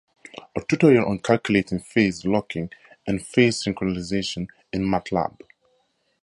A tutorial on calculating Phase locking and Phase synchronization in Matlab.